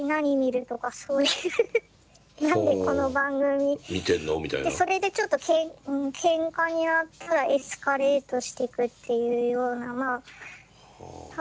でそれでちょっとけんかになったらエスカレートしてくっていうようなまあ多分。